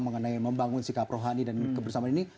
mengenai membangun sikap rohani dan kebersamaan ini